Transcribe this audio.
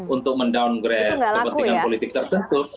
untuk men downgrade kepentingan politik tertentu